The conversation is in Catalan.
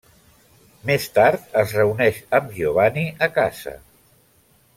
Més tard es reuneix amb Giovanni a casa.